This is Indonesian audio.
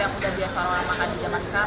yang udah biasa orang makan di zaman sekarang